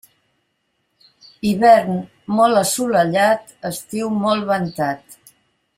Hivern molt assolellat, estiu molt ventat.